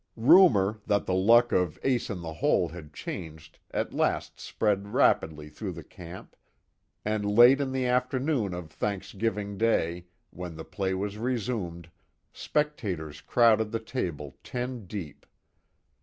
Rumor that the luck of Ace In The Hole had changed at last spread rapidly through the camp, and late in the afternoon of Thanksgiving day, when the play was resumed, spectators crowded the table ten deep.